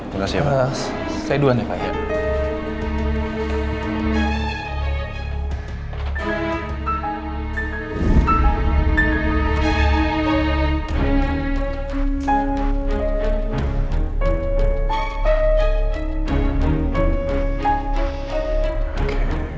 bagaimana sih ya pak